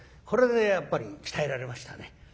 これでやっぱり鍛えられましたね。